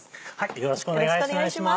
よろしくお願いします。